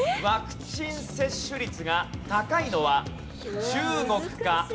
ワクチン接種率が高いのは中国か？